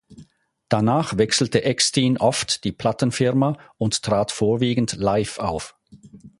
Danach wechselte Eckstine oft die Plattenfirma und trat vorwiegend live auf.